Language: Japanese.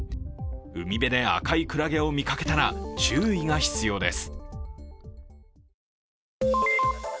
海辺で赤いクラゲを見かけたら注意が必要です。